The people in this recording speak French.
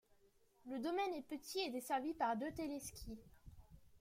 Le domaine est petit et desservi par deux téléskis.